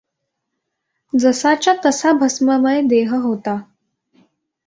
जसाच्या तसा भस्ममय देह होता.